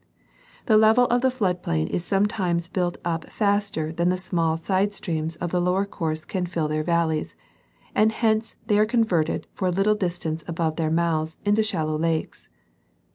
The level of the flood plain is sometimes built up faster than the small side streams of the lower course can fill their valleys, and hence they are con verted for a little distance above their mouths into shallow lakes.